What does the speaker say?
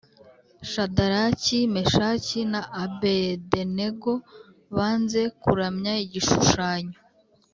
Shadaraki, Meshaki na Abedenego banze kuramya igishushanyo